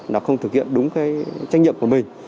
nó không thực hiện đúng trách nhiệm của mình